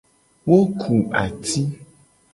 Wo ku ati.